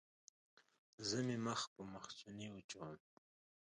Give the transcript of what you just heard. زه مې مخ په مخوچوني وچوم.